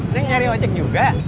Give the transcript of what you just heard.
neng nyari ojek juga